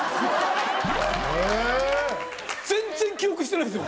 全然記憶してないんですよ。